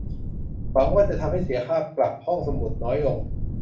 หวังว่าจะทำให้เสียค่าปรับห้องสมุดน้อยลง !